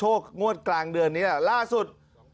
โชคงวดกลางเดือนนี้ล่ะล่าสุด